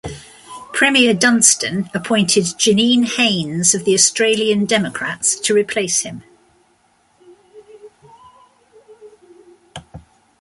Premier Dunstan appointed Janine Haines of the Australian Democrats to replace him.